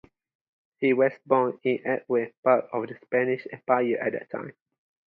He was born in Antwerp, part of the Spanish Empire at that time.